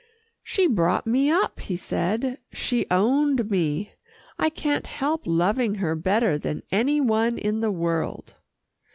"She brought me up," he said. "She owned me. I can't help loving her better than any one in the world."